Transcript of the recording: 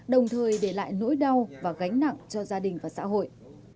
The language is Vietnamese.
đồng thời để lại nỗi đau và gánh nặng cho gia đình và xã hội